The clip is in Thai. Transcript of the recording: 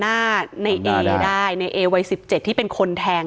หน้าในเอได้ในเอวัย๑๗ที่เป็นคนแทง